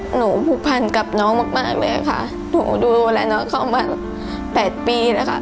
ผูกพันกับน้องมากมากเลยค่ะหนูดูแลน้องเข้ามา๘ปีแล้วค่ะ